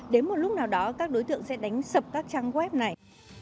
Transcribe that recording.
đến một lúc nào đó các đối tượng sẽ đánh sập các trang web này